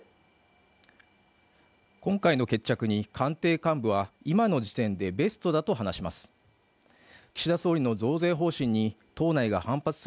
今回の決着に官邸幹部は今の時点でベストだと話します